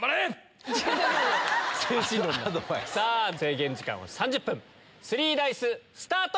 制限時間は３０分３ＤＩＣＥスタート！